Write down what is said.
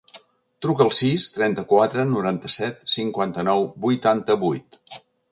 Truca al sis, trenta-quatre, noranta-set, cinquanta-nou, vuitanta-vuit.